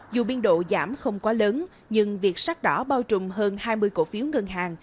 dù biên độ giảm không quá lớn nhưng việc sắc đỏ bao trùm hơn hai mươi cổ phiếu ngân hàng